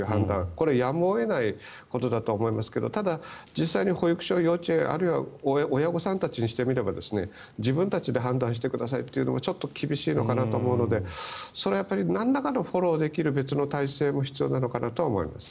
これ、やむを得ないことだと思いますがただ、実際に保育所、幼稚園あるいは親御さんたちにしてみれば自分たちで判断してくださいというのもちょっと厳しいと思うのでそれはなんらかのフォローできる別の体制も必要なのかなと思います。